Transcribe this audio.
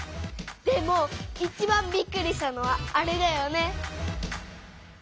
でもいちばんびっくりしたのはあれだよね。